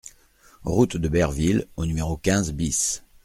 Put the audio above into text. Route de Berville au numéro quinze BIS